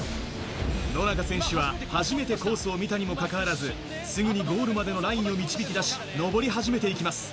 野中選手は初めてコースを見たにもかかわらず、すぐにゴールまでのラインを導き出し、登り始めていきます。